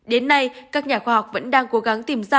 đến nay các nhà khoa học vẫn đang cố gắng tìm ra